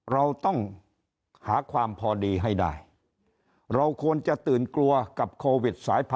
เราต้องหาความพอดีให้ได้